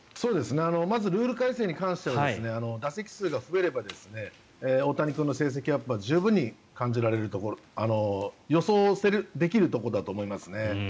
まずルール改正に関しては打席数が増えれば大谷君の成績アップは十分に感じられるところ予想できるところだと思いますね。